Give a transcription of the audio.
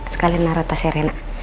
sekalian naro taserena